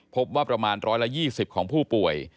พบว่าประมาณร้อยละ๒๐ของผู้ป่วย